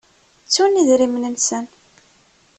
Ttun idrimen-nsen.